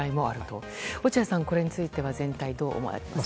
落合さん、これについては全体どう思われますか？